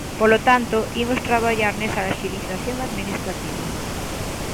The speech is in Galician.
Polo tanto, imos traballar nesa axilización administrativa.